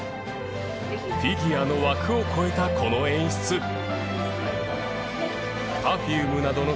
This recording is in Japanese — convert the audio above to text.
フィギュアの枠を越えたこの演出Ｐｅｒｆｕｍｅなどの振り付けで知られる